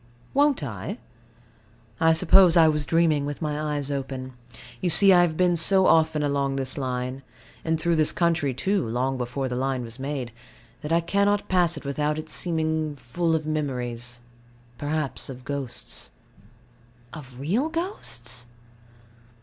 Won't I? I suppose I was dreaming with my eyes open. You see, I have been so often along this line and through this country, too, long before the line was made that I cannot pass it without its seeming full of memories perhaps of ghosts. Of real ghosts?